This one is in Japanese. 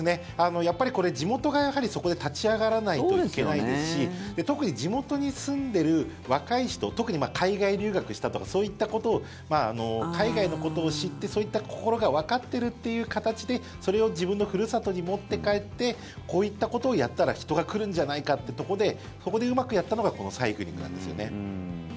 やっぱりこれ、地元がそこで立ち上がらないといけないですし特に地元に住んでる若い人特に海外留学したとかそういったことを海外のことを知ってそういった心がわかってるっていう形でそれを自分のふるさとに持って帰ってこういったことをやったら人が来るんじゃないかってとこでそこでうまくやったのがこのサイクリングなんですよね。